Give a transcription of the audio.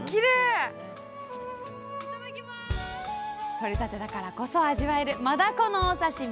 とれたてだからこそ味わえるマダコのお刺身！